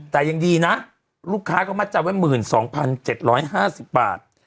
แต่ยังดีนะลูกค้าก็มาจำไว้หมื่นสองพันเจ็บห้าสิบบาท